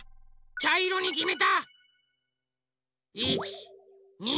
ちゃいろにきめた。